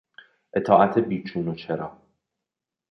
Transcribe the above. اطاعت بیچون و چرا